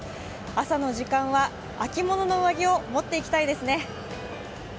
朝の時間は秋物の上着を持っていきたいですね。